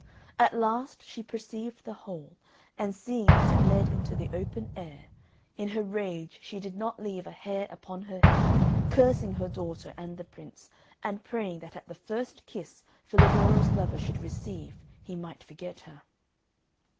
At last she perceived the hole, and seeing that it led into the open air, in her rage she did not leave a hair upon her head, cursing her daughter and the Prince, and praying that at the first kiss Filadoro's lover should receive he might forget her.